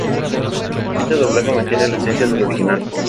Este doblaje mantiene la esencia del original.